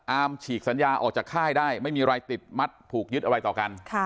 ฉีกสัญญาออกจากค่ายได้ไม่มีอะไรติดมัดผูกยึดอะไรต่อกัน